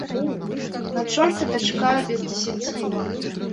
На чорта дачка без дзесяціны!